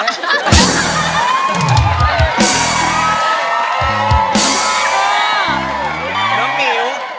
น้องหมิว